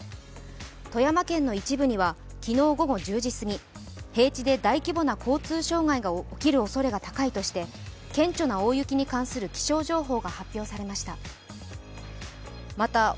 富山県の一部には昨日午後１０時すぎ、平地で大規模な交通障害が起きるおそれが高いとして顕著な大雪に関する気象情報が発表されました。